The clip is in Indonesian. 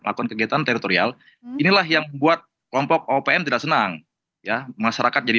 lakukan kegiatan teritorial inilah yang membuat kelompok opm tidak senang ya masyarakat jadi